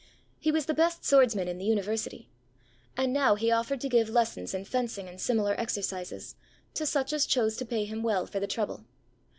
He was the best swordsman in the University; and now he offered to give lessons in fencing and similar exercises, to such as chose to pay him well for the trouble.